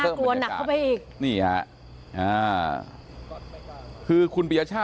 ฐานพระพุทธรูปทองคำ